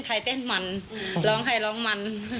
เต้นมันร้องใครร้องมัน